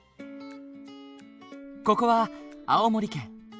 ここは青森県。